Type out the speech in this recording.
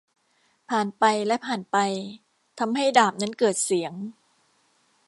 ผ่านไปและผ่านไป ทำให้ดาบนั้นเกิดเสียง